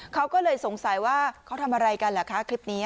เขาก็เลยสงสัยว่าเขาทำอะไรกันเหรอคะคลิปนี้